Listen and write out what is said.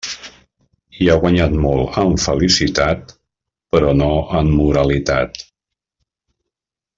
Hi ha guanyat molt en felicitat, però no en moralitat.